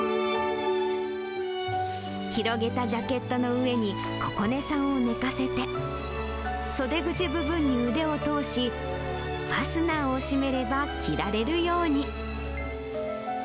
広げたジャケットの上にここねさんを寝かせて、袖口部分に腕を通し、ファスナーを閉めれば着られるように。